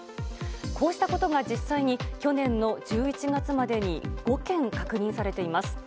こうしたことが実際に去年の１１月までに５件確認されています。